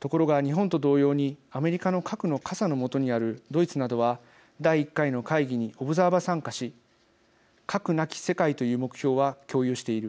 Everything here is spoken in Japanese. ところが、日本と同様にアメリカの核の傘の下にあるドイツなどは第１回の会議にオブザーバー参加し核なき世界という目標は共有している。